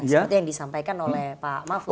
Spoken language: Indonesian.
seperti yang disampaikan oleh pak mahfud